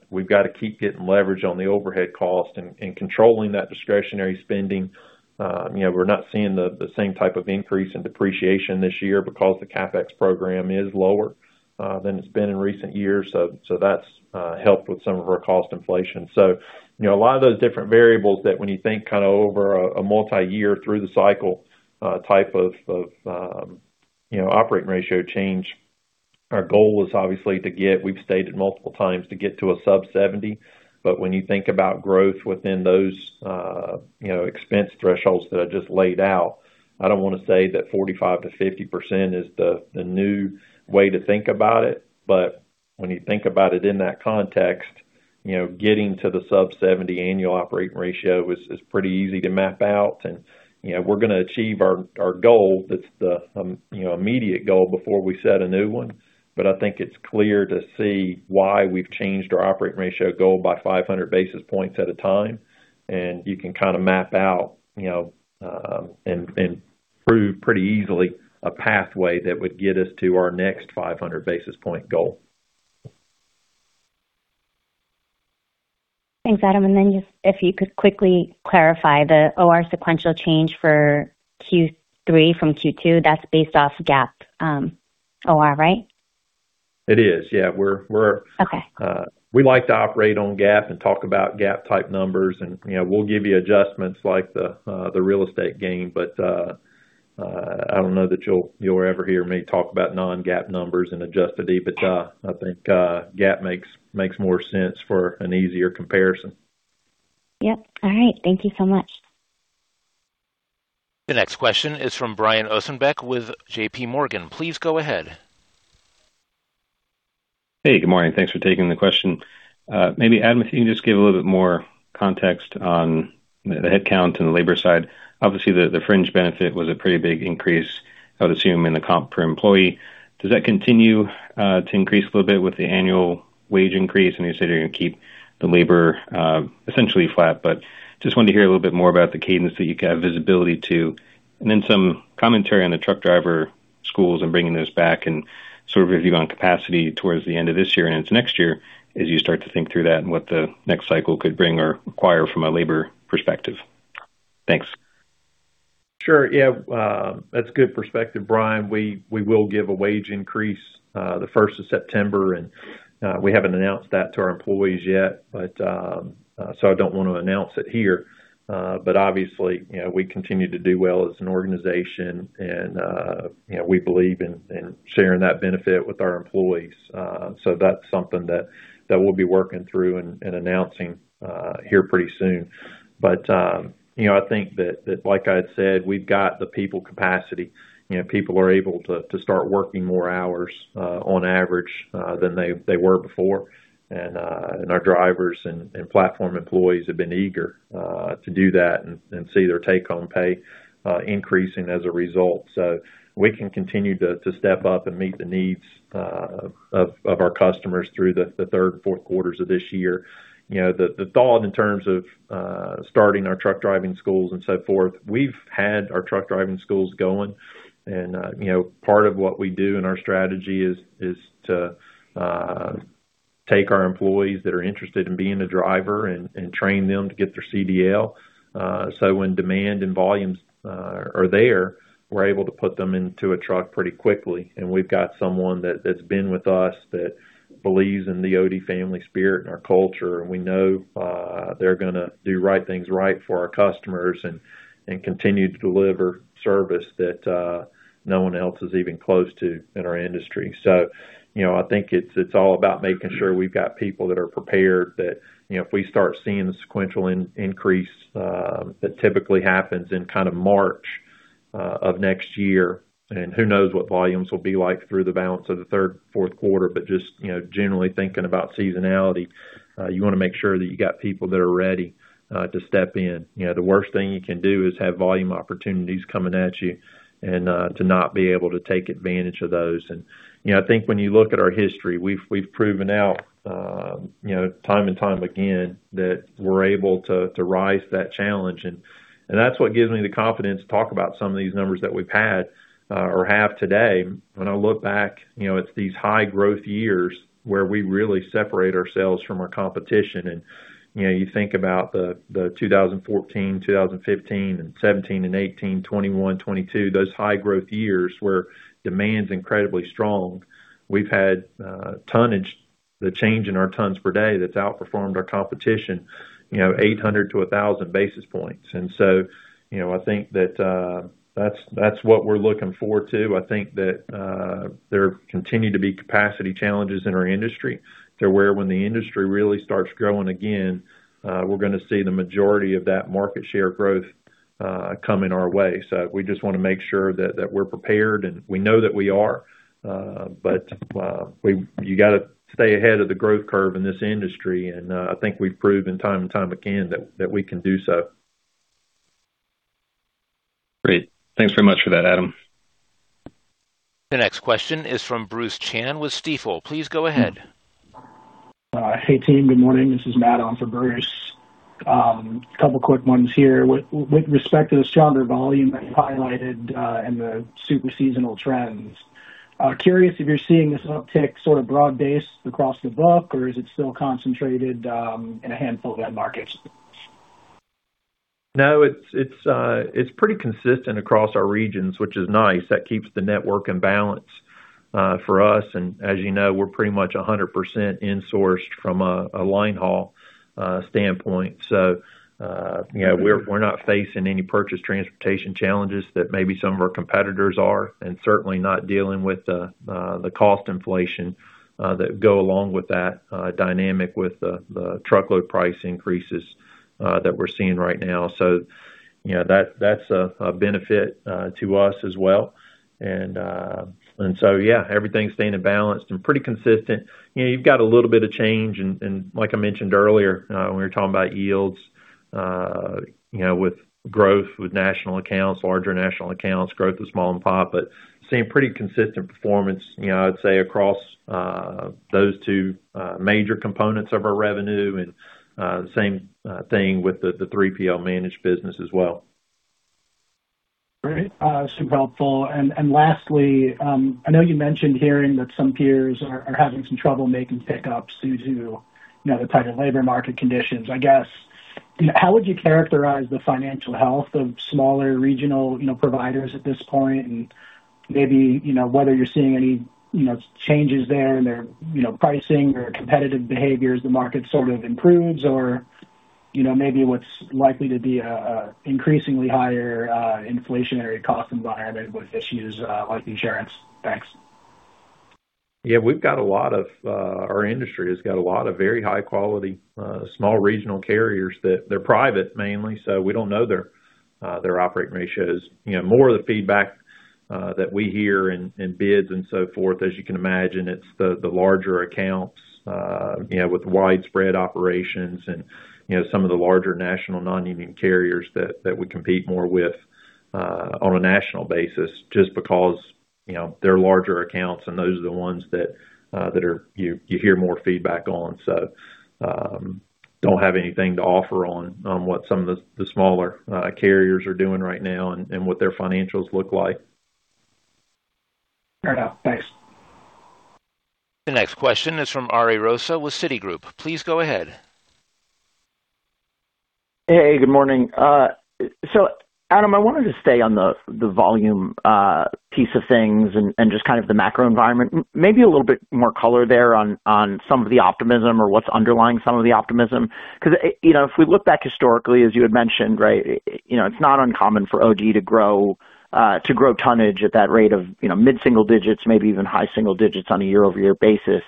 We've got to keep getting leverage on the overhead cost and controlling that discretionary spending. We're not seeing the same type of increase in depreciation this year because the CapEx program is lower than it's been in recent years. That's helped with some of our cost inflation. A lot of those different variables that when you think over a multi-year through the cycle type of operating ratio change, our goal is obviously to get, we've stated multiple times, to get to a sub 70%. When you think about growth within those expense thresholds that I just laid out, I don't want to say that 45%-50% is the new way to think about it. When you think about it in that context, getting to the sub 70% annual operating ratio is pretty easy to map out. We're going to achieve our goal. That's the immediate goal before we set a new one. I think it's clear to see why we've changed our operating ratio goal by 500 basis points at a time. You can map out, and prove pretty easily a pathway that would get us to our next 500 basis point goal. Thanks, Adam. Just if you could quickly clarify the OR sequential change for Q3 from Q2, that's based off GAAP OR, right? It is, yeah. Okay. We like to operate on GAAP and talk about GAAP type numbers, we'll give you adjustments like the real estate gain. I don't know that you'll ever hear me talk about non-GAAP numbers and adjusted EBITDA. I think GAAP makes more sense for an easier comparison. Yep. All right. Thank you so much. The next question is from Brian Ossenbeck with JPMorgan. Please go ahead. Hey, good morning. Thanks for taking the question. Maybe Adam, if you can just give a little bit more context on the headcount and the labor side. Obviously, the fringe benefit was a pretty big increase, I would assume in the comp per employee. Does that continue to increase a little bit with the annual wage increase? I know you said you're going to keep the labor essentially flat, but just wanted to hear a little bit more about the cadence that you have visibility to. Some commentary on the truck driver schools and bringing those back and sort of review on capacity towards the end of this year and into next year as you start to think through that and what the next cycle could bring or require from a labor perspective. Thanks. Sure. Yeah. That's a good perspective, Brian. We will give a wage increase the 1st of September, we haven't announced that to our employees yet, so I don't want to announce it here. Obviously, we continue to do well as an organization and we believe in sharing that benefit with our employees. That's something that we'll be working through and announcing here pretty soon. I think that like I had said, we've got the people capacity. People are able to start working more hours on average than they were before. Our drivers and platform employees have been eager to do that and see their take-home pay increasing as a result. We can continue to step up and meet the needs of our customers through the third and fourth quarters of this year. The thought in terms of starting our truck driving schools and so forth, we've had our truck driving schools going and part of what we do in our strategy is to take our employees that are interested in being a driver and train them to get their CDL. When demand and volumes are there, we're able to put them into a truck pretty quickly. We've got someone that's been with us that believes in the OD family spirit and our culture, and we know they're going to do the right things right for our customers and continue to deliver service that no one else is even close to in our industry. I think it's all about making sure we've got people that are prepared, that if we start seeing the sequential increase that typically happens in kind of March of next year. Who knows what volumes will be like through the balance of the third, fourth quarter. Just generally thinking about seasonality, you want to make sure that you got people that are ready to step in. The worst thing you can do is have volume opportunities coming at you and to not be able to take advantage of those. I think when you look at our history, we've proven out time and time again that we're able to rise to that challenge. That's what gives me the confidence to talk about some of these numbers that we've had or have today. When I look back, it's these high growth years where we really separate ourselves from our competition. You think about the 2014, 2015, and 2017 and 2018, 2021, 2022, those high growth years where demand's incredibly strong. We've had tonnage, the change in our tons per day that's outperformed our competition 800 to 1,000 basis points. I think that's what we're looking forward to. I think that there continue to be capacity challenges in our industry to where when the industry really starts growing again, we're going to see the majority of that market share growth coming our way. We just want to make sure that we're prepared, and we know that we are. You got to stay ahead of the growth curve in this industry, and I think we've proven time and time again that we can do so. Great. Thanks very much for that, Adam. The next question is from Bruce Chan with Stifel. Please go ahead. Hey, team. Good morning. This is Matt on for Bruce. Couple quick ones here. With respect to the stronger volume that you highlighted, the super seasonal trends, curious if you're seeing this uptick sort of broad-based across the book, or is it still concentrated in a handful of markets? No, it's pretty consistent across our regions, which is nice. That keeps the network in balance for us. As you know, we're pretty much 100% insourced from a line haul standpoint. We're not facing any purchased transportation challenges that maybe some of our competitors are, and certainly not dealing with the cost inflation that go along with that dynamic with the truckload price increases that we're seeing right now. That's a benefit to us as well. Yeah, everything's staying balanced and pretty consistent. You've got a little bit of change and, like I mentioned earlier, when we were talking about yields with growth with national accounts, larger national accounts, growth with small and pup, but seeing pretty consistent performance, I'd say, across those two major components of our revenue. Same thing with the 3PL managed business as well. Great. Super helpful. Lastly, I know you mentioned hearing that some peers are having some trouble making pickups due to the tighter labor market conditions. I guess, how would you characterize the financial health of smaller regional providers at this point, and maybe whether you're seeing any changes there in their pricing or competitive behaviors the market sort of improves or maybe what's likely to be a increasingly higher inflationary cost environment with issues like insurance? Thanks. Yeah. Our industry has got a lot of very high quality small regional carriers that they're private mainly, so we don't know their operating ratios. More of the feedback that we hear in bids and so forth, as you can imagine, it's the larger accounts with widespread operations and some of the larger national non-union carriers that we compete more with on a national basis just because they're larger accounts, and those are the ones that you hear more feedback on. Don't have anything to offer on what some of the smaller carriers are doing right now and what their financials look like. Fair enough. Thanks. The next question is from Ari Rosa with Citigroup. Please go ahead. Hey, good morning. Adam, I wanted to stay on the volume piece of things and just kind of the macro environment. Maybe a little bit more color there on some of the optimism or what's underlying some of the optimism. Because if we look back historically, as you had mentioned, right, it's not uncommon for OD to grow tonnage at that rate of mid-single digits, maybe even high single digits on a year-over-year basis.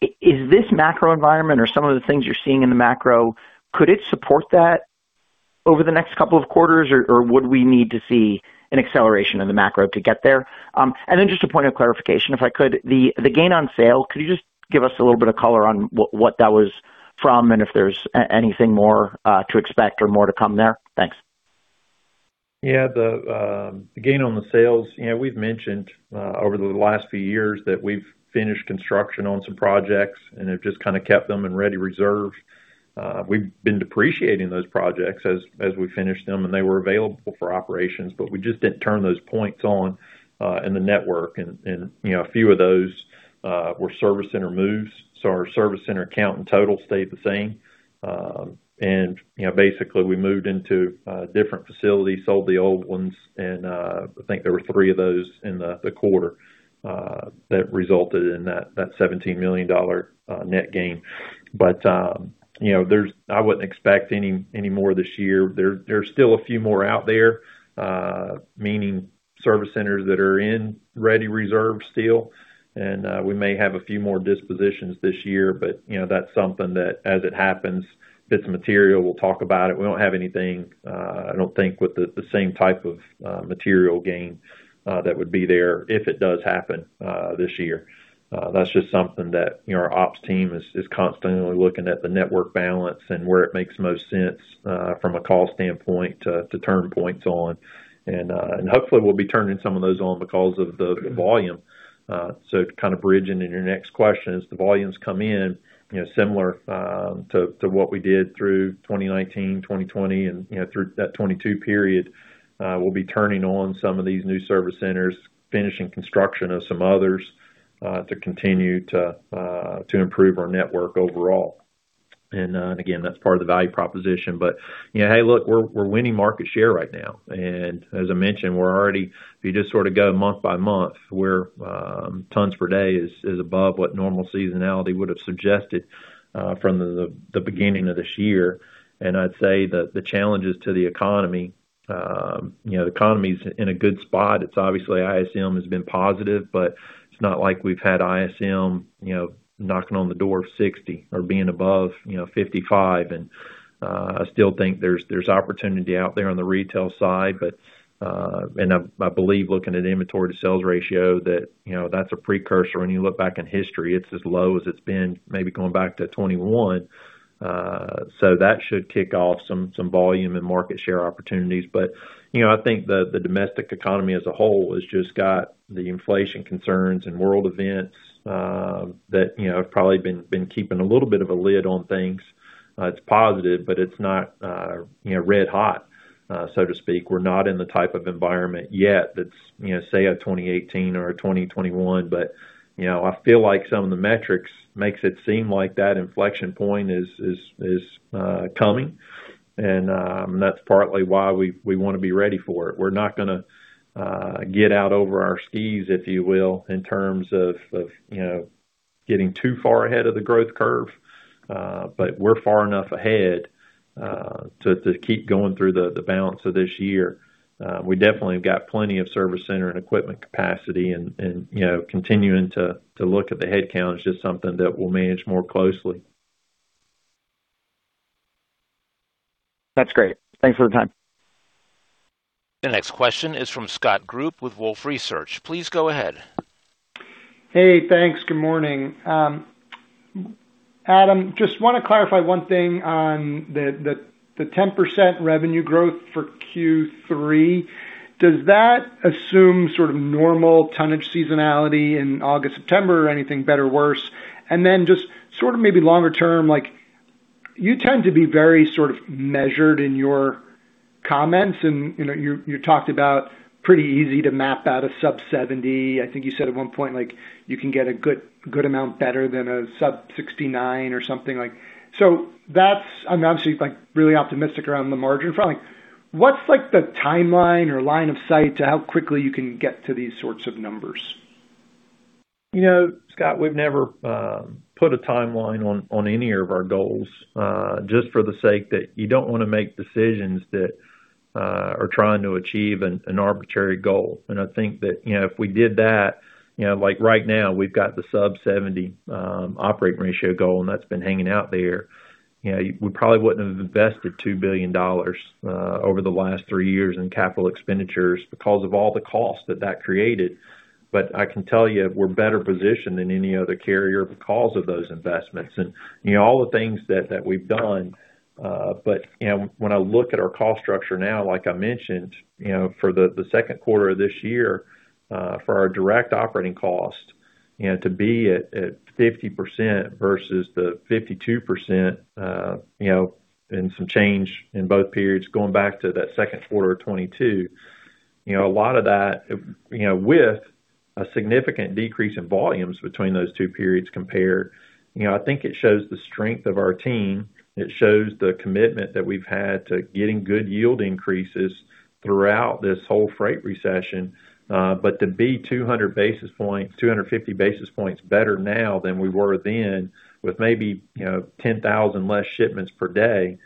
Is this macro environment or some of the things you're seeing in the macro, could it support that over the next couple of quarters, or would we need to see an acceleration of the macro to get there? Just a point of clarification, if I could. The gain on sale, could you just give us a little bit of color on what that was from, and if there's anything more to expect or more to come there? Thanks. The gain on the sales, we've mentioned over the last few years that we've finished construction on some projects and have just kind of kept them in ready reserve. We've been depreciating those projects as we finish them, and they were available for operations, but we just didn't turn those points on in the network. A few of those were service center moves. Our service center count in total stayed the same. Basically, we moved into a different facility, sold the old ones, and I think there were three of those in the quarter that resulted in that $17 million net gain. I wouldn't expect any more this year. There's still a few more out there, meaning service centers that are in ready reserve still, and we may have a few more dispositions this year. That's something that, as it happens, if it's material, we'll talk about it. We don't have anything, I don't think, with the same type of material gain that would be there if it does happen this year. That's just something that our ops team is constantly looking at the network balance and where it makes most sense from a cost standpoint to turn points on. Hopefully we'll be turning some of those on because of the volume. To kind of bridge into your next question, as the volumes come in, similar to what we did through 2019, 2020 and through that 2022 period, we'll be turning on some of these new service centers, finishing construction of some others to continue to improve our network overall. Again, that's part of the value proposition. Hey, look, we're winning market share right now. As I mentioned, we're already if you just sort of go month by month, we're tons per day is above what normal seasonality would have suggested from the beginning of this year. I'd say that the challenges to the economy, the economy's in a good spot. Obviously, ISM has been positive, but it's not like we've had ISM knocking on the door of 60% or being above 55%. I still think there's opportunity out there on the retail side. I believe looking at inventory to sales ratio, that's a precursor. When you look back in history, it's as low as it's been, maybe going back to 2021. That should kick off some volume and market share opportunities. I think the domestic economy as a whole has just got the inflation concerns and world events that have probably been keeping a little bit of a lid on things. It's positive, but it's not red hot, so to speak. We're not in the type of environment yet that's, say a 2018 or a 2021. But I feel like some of the metrics makes it seem like that inflection point is coming, and that's partly why we want to be ready for it. We're not going to get out over our skis, if you will, in terms of getting too far ahead of the growth curve. We're far enough ahead to keep going through the balance of this year. We definitely have got plenty of service center and equipment capacity and continuing to look at the headcount is just something that we'll manage more closely. That's great. Thanks for the time. The next question is from Scott Group with Wolfe Research. Please go ahead. Hey, thanks. Good morning. Adam, just want to clarify one thing on the 10% revenue growth for Q3. Does that assume sort of normal tonnage seasonality in August, September or anything better or worse? Just sort of maybe longer term, you tend to be very sort of measured in your comments and you talked about pretty easy to map out a sub 70%. I think you said at one point, you can get a good amount better than a sub 69% or something. That's, I'm obviously really optimistic around the margin. Probably, what's the timeline or line of sight to how quickly you can get to these sorts of numbers? Scott, we've never put a timeline on any of our goals. Just for the sake that you don't want to make decisions that are trying to achieve an arbitrary goal. I think that if we did that, like right now, we've got the sub 70% operating ratio goal, and that's been hanging out there. We probably wouldn't have invested $2 billion over the last three years in capital expenditures because of all the cost that that created. I can tell you, we're better positioned than any other carrier because of those investments and all the things that we've done. When I look at our cost structure now, like I mentioned, for the second quarter of this year, for our direct operating cost to be at 50% versus the 52%, and some change in both periods, going back to that second quarter of 2022. A lot of that with a significant decrease in volumes between those two periods compared, I think it shows the strength of our team. It shows the commitment that we've had to getting good yield increases throughout this whole freight recession. To be 200 basis points, 250 basis points better now than we were then with maybe 10,000 less shipments per day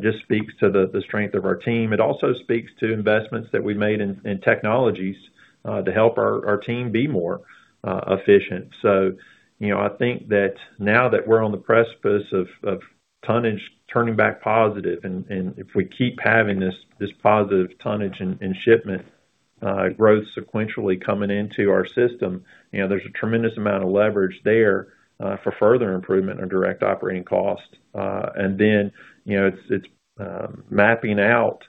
just speaks to the strength of our team. It also speaks to investments that we made in technologies to help our team be more efficient. I think that now that we're on the precipice of tonnage turning back positive, and if we keep having this positive tonnage and shipment growth sequentially coming into our system, there's a tremendous amount of leverage there for further improvement in direct operating cost. Then it's mapping out,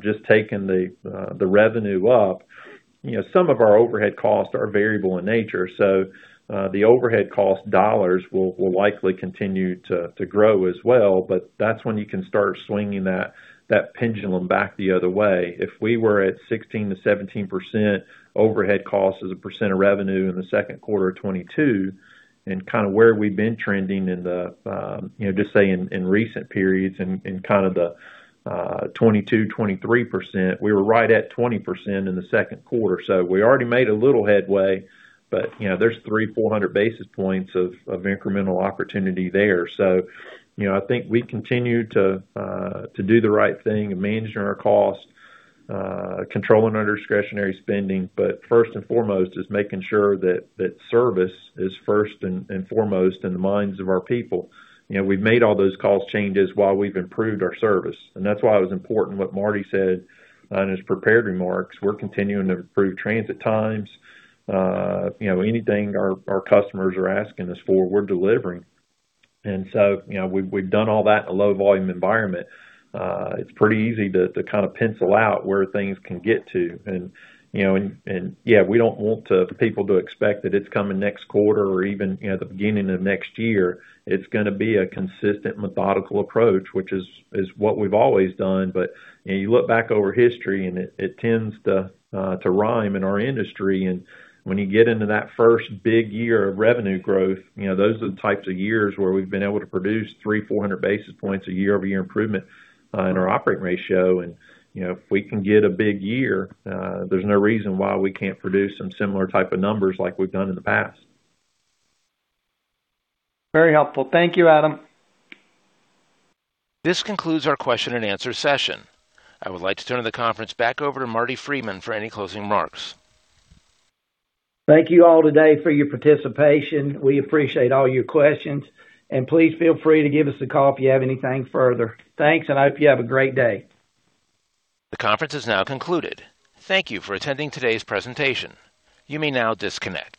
just taking the revenue up. Some of our overhead costs are variable in nature, the overhead cost dollars will likely continue to grow as well. That's when you can start swinging that pendulum back the other way. If we were at 16%-17% overhead cost as a percent of revenue in the second quarter of 2022 and kind of where we've been trending in the, just say in recent periods in kind of the 22%-23%, we were right at 20% in the second quarter. We already made a little headway, but there's 300, 400 basis points of incremental opportunity there. I think we continue to do the right thing in managing our cost, controlling under discretionary spending. First and foremost is making sure that service is first and foremost in the minds of our people. We've made all those cost changes while we've improved our service, that's why it was important what Marty said in his prepared remarks. We're continuing to improve transit times. Anything our customers are asking us for, we're delivering. We've done all that in a low volume environment. It's pretty easy to kind of pencil out where things can get to. Yeah, we don't want people to expect that it's coming next quarter or even the beginning of next year. It's going to be a consistent, methodical approach, which is what we've always done. You look back over history, it tends to rhyme in our industry. When you get into that first big year of revenue growth, those are the types of years where we've been able to produce 300, 400 basis points a year-over-year improvement in our operating ratio. If we can get a big year, there's no reason why we can't produce some similar type of numbers like we've done in the past. Very helpful. Thank you, Adam. This concludes our question and answer session. I would like to turn the conference back over to Marty Freeman for any closing remarks. Thank you all today for your participation. We appreciate all your questions and please feel free to give us a call if you have anything further. Thanks, and I hope you have a great day. The conference is now concluded. Thank you for attending today's presentation. You may now disconnect.